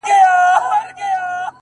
زړه لکه هينداره ښيښې گلي!